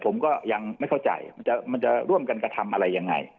ผมก็ยังไม่เข้าใจมันจะร่วมกันกระทำอะไรยังไง